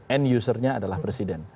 end user nya adalah presiden